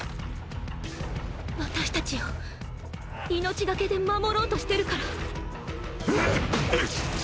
私たちを命懸けで守ろうとしてるから。